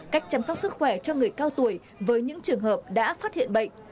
cách chăm sóc sức khỏe cho người cao tuổi với những trường hợp đã phát hiện bệnh